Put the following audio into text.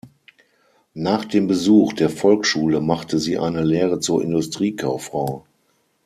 Nach dem Besuch der Volksschule machte sie eine Lehre zur Industriekauffrau.